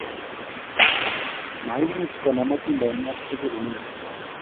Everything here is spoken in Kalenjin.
Maimuch konam atindoniot tukul inendet